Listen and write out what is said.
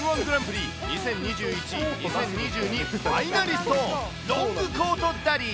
Ｍー１グランプリ２０２１・２０２２ファイナリスト、ロングコートダディ。